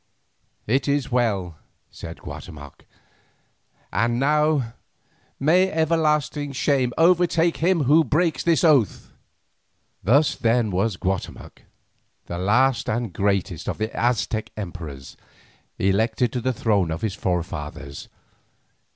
"It is well," said Guatemoc. "And now may everlasting shame overtake him who breaks this oath." Thus then was Guatemoc, the last and greatest of the Aztec emperors, elected to the throne of his forefathers.